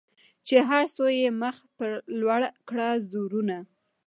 چي هر څو یې مخ پر لوړه کړه زورونه